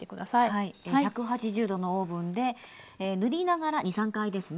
はい１８０℃のオーブンで塗りながら２３回ですね。